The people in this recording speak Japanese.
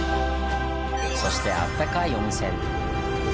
そしてあったかい温泉。